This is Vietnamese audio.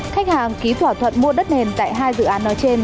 khách hàng ký thỏa thuận mua đất nền tại hai dự án nói trên